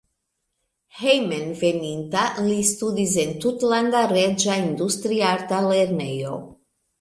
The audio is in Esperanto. Hejmenveninta li studis en Tutlanda Reĝa Industriarta Lernejo.